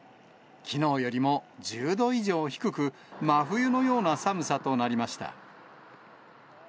きのうよりも１０度以上低く、真冬のような寒さとなりました。